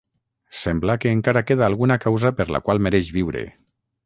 Sembla que encara queda alguna causa per la qual mereix viure.